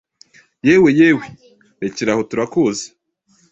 Yewe yewe rekeraho turakuzi .